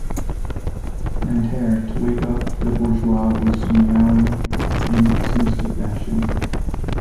Grantaire, to wake up the bourgeois, was meowing in a sinister fashion.